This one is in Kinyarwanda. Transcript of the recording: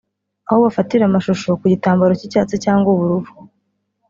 aho bafatira amashusho ku gitambaro cy’icyatsi cyangwa ubururu